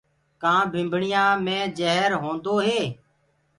ڪآ ڀمڀڻيآنٚ مي جهر هوندو هي۔